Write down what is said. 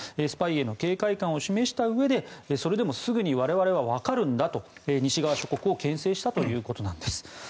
スパイへの警戒感を示したうえでそれでもすぐに我々はわかるんだと、西側諸国をけん制したということなんです。